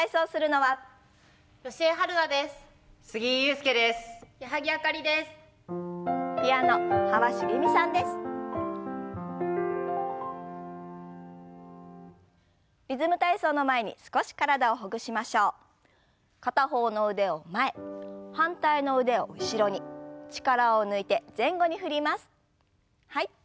はい。